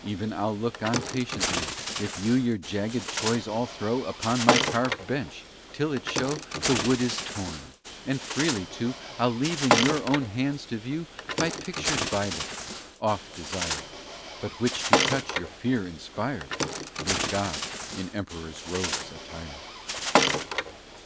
Even I'll look on patiently If you your jagged toys all throw Upon my carved bench, till it show The wood is torn; and freely too, I'll leave in your own hands to view, My pictured Bible oft desired But which to touch your fear inspired With God in emperor's robes attired.